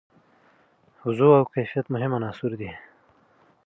وضوح او کیفیت مهم عناصر دي.